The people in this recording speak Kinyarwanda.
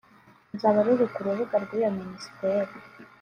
ruzaba ruri ku rubuga rw’iyo Ministeri